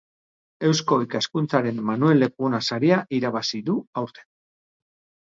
Eusko Ikaskuntzaren Manuel Lekuona saria irabazi du aurten.